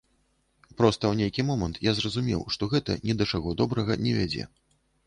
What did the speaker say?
Проста, у нейкі момант я зразумеў, што гэта ні да чаго добрага не вядзе.